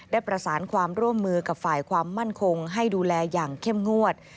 ได้ประสานความร่วมมือกับฝ่ายความมั่นคงให้ดูแลอย่างเข้มงวด